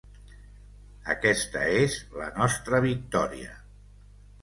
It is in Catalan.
Aquesta és la nostra victòria.